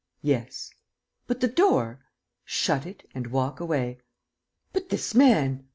"Yes." "But the door?" "Shut it and walk away." "But this man